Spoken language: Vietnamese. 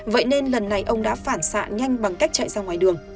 vậy nên lần này ông đã phản xạ nhanh bằng cách chạy ra ngoài đường